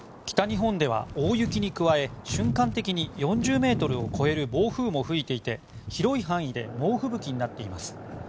北日本では大雪に加え瞬間的に４０メートルを超える暴風も吹いていて広い範囲で猛吹雪になっています。